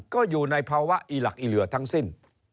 ก็อยู่ในภาวะอีหลักอีเหลือทั้งสิ้น